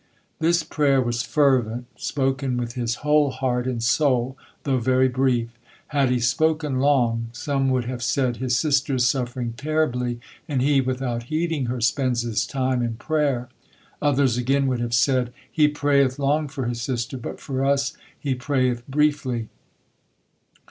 This prayer was fervent, spoken with his whole heart and soul, though very brief. Had he spoken long, some would have said: "His sister is suffering terribly and he, without heeding her, spends his time in prayer." Others again would have said: "He prayeth long for his sister, but for us he prayeth briefly."